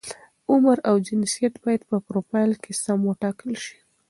عمر او جنسیت باید په فروفیل کې سم وټاکل شي.